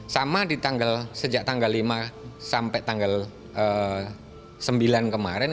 sama di tanggal sejak tanggal lima sampai tanggal sembilan kemarin